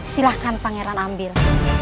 silahkan pangeran ambil